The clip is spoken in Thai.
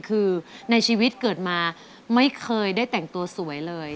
คือในชีวิตเกิดมาไม่เคยได้แต่งตัวสวยเลย